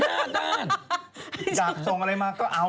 อยากส่งอะไรมาก็เอา